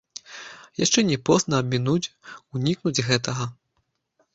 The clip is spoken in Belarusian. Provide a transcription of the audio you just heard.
Яшчэ не позна абмінуць, унікнуць гэтага?